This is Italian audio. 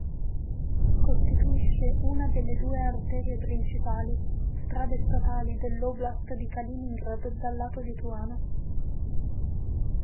Costituisce una delle due arterie principali strade statali dell’Oblast’ di Kaliningrad dal lato lituano.